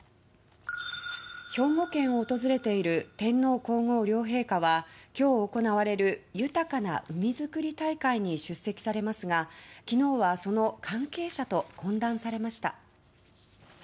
兵庫県を訪れている天皇・皇后両陛下は今日行われる豊かな海づくり大会に出席されますが昨日はその関係者と懇談されました。